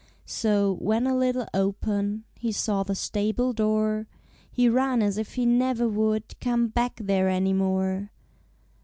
So, when a little open He saw the stable door, He ran as if he never would Come back there any more.